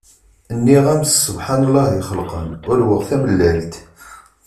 Nniɣ-am s ssebḥan llah ixelqen, urweɣ tamellalt!!